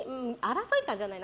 争いじゃないか。